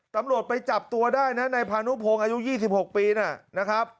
ตำรวจไปจับตัวได้นะนายพานุพงศ์อายุ๒๖ปีนะครับ